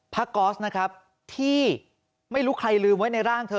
กอสนะครับที่ไม่รู้ใครลืมไว้ในร่างเธอ